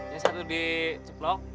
yang satu diceplok